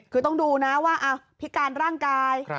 คือต้องดูนะว่าพิการร่างกาย